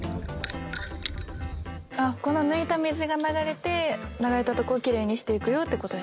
あっこの抜いた水が流れて流れた所をきれいにしていくよって事ですか？